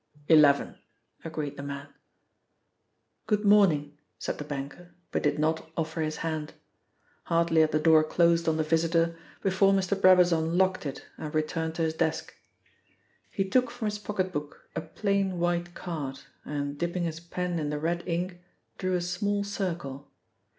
"Eleven," agreed the man. "Good morning," said the banker, but did not offer his hand. Hardly had the door closed on the visitor before Mr. Brabazon locked it and returned to his desk. He took from his pocket book a plain white card, and dipping his pen in the red ink, drew a small circle.